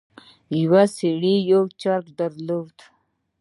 یو سړي یو چرګ درلود.